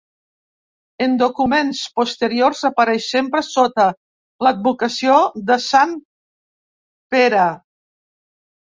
En documents posteriors apareix sempre sota l'advocació de sant Pere.